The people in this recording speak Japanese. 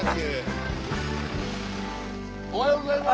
おはようございます。